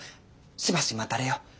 しばし待たれよ。